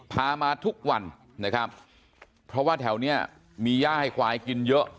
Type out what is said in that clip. พามาทุกวันนะครับเพราะว่าแถวนี้มีย่าให้ควายกินเยอะ